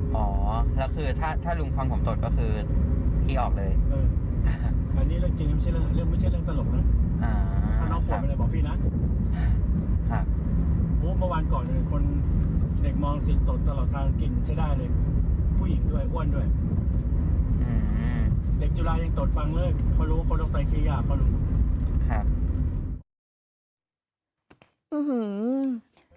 เด็กจุฬายังตดฟังเรื่องเขารู้คนออกไปขี้หยาบเขารู้